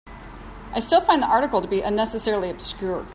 I still find the article to be unnecessarily obscure.